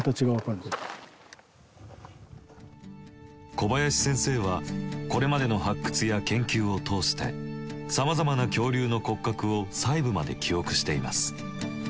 小林先生はこれまでの発掘や研究を通してさまざまな恐竜の骨格を細部まで記憶しています。